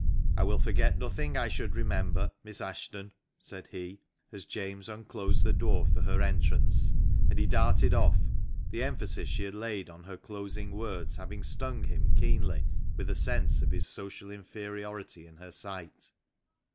" I will forget nothing I should remember, Miss Ashton," said he, as James unclosed the door for her entrance, and he darted off, the emphasis she had laid on her closing words having stung him keenly with a sense of his social inferiority in her sight.